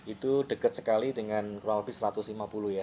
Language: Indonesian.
itu dekat sekali dengan kurang lebih satu ratus lima puluh ya